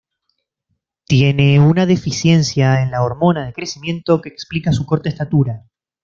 Tiene una deficiencia en la hormona de crecimiento que explica su corta estatura.